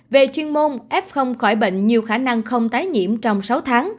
về chuyên môn f khỏi bệnh nhiều